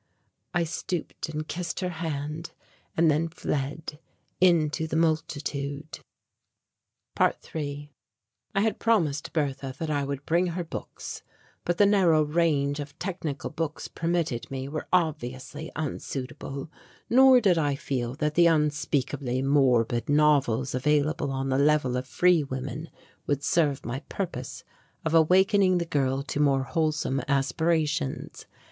I stooped and kissed her hand and then fled into the multitude. ~3~ I had promised Bertha that I would bring her books, but the narrow range of technical books permitted me were obviously unsuitable, nor did I feel that the unspeakably morbid novels available on the Level of Free Women would serve my purpose of awakening the girl to more wholesome aspirations.